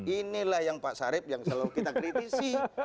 inilah yang pak sarip yang selalu kita kritisi